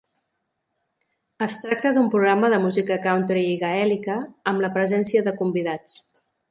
Es tracta d'un programa de música country i gaèlica, amb la presència de convidats.